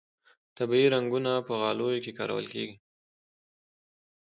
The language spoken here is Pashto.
طبیعي رنګونه په غالیو کې کارول کیږي